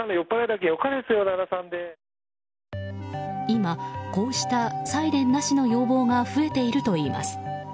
今、こうしたサイレンなしの要望が増えているといいます。